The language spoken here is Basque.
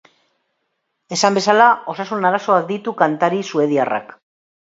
Esan bezala, osasun arazoak ditu kantari suediarrak.